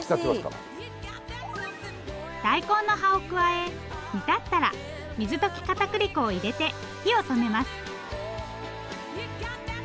大根の葉を加え煮立ったら水溶き片栗粉を入れて火を止めます。